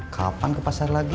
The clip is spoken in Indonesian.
kapan ke pasar lagi